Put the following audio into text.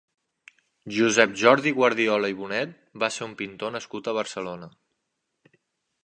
Josep Jordi Guardiola i Bonet va ser un pintor nascut a Barcelona.